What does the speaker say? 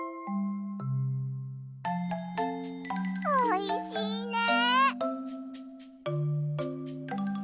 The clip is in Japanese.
おいしいね！